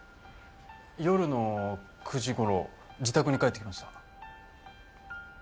夜の９時頃自宅に帰ってきました。